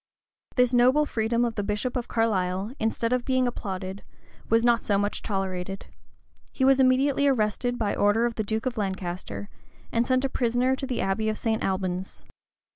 This noble freedom of the bishop of Carlisle, instead of being applauded, was not so much as tolerated: he was immediately arrested by order of the duke of Lancaster, and sent a prisoner to the abbey of St. Albans.